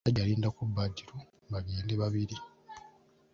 Omusajja yalindako Badru bagende babiri.